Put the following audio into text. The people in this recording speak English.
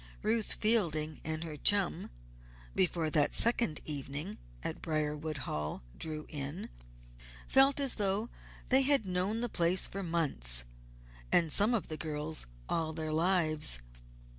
Ruth Fielding and her chum, before that second evening at Briarwood Hall drew in, felt as though they had known the place for months and some of the girls all their lives.